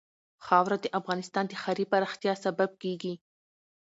خاوره د افغانستان د ښاري پراختیا سبب کېږي.